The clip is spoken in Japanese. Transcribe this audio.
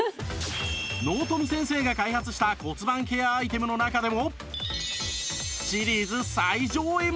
納富先生が開発した骨盤ケアアイテムの中でも